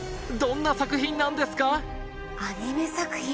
どんな作品なんですか？